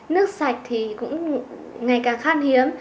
nước sạch thì cũng ngày càng khát hiếm